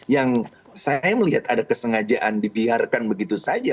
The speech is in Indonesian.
yang saya melihat ada kesengajaan dibiarkan begitu saja